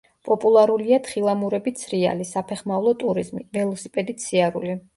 პოპულარულია თხილამურებით სრიალი, საფეხმავლო ტურიზმი, ველოსიპედით სიარული.